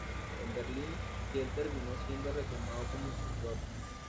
En Berlín, Kiel terminó siendo reclamado como instructor.